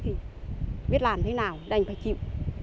thì biết làm thế nào đành phải chịu